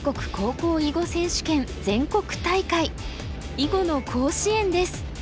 囲碁の甲子園です。